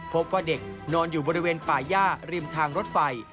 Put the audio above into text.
พบว่าเด็กนอนอยู่บริเวณป่าย่าริมทางรถไฟ